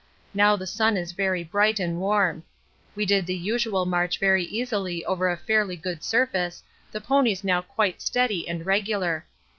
Now the sun is very bright and warm. We did the usual march very easily over a fairly good surface, the ponies now quite steady and regular.